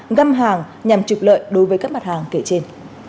ngâm hàng nhằm trực lợi đối với các mặt hàng kể trên